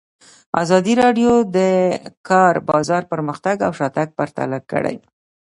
ازادي راډیو د د کار بازار پرمختګ او شاتګ پرتله کړی.